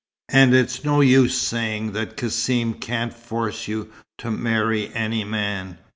And it's no use saying that Cassim can't force you to marry any man.